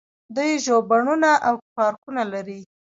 دوی ژوبڼونه او پارکونه لري.